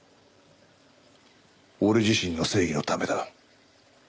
俺自身の正義のためだ。